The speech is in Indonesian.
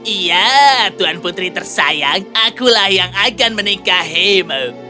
iya tuhan putri tersayang akulah yang akan menikahimu